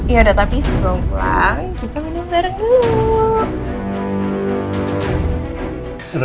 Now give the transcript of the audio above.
yaudah tapi sebelum pulang kita minum barang dulu